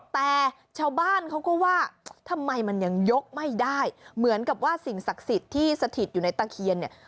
แต่ชาวบ้านเขาก็ว่าทำไมมันยังยกไม่ได้เหมือนกับว่าสิ่งศักดิ์สิทธิ์ที่สถิตอยู่ในตะเคียนเนี่ย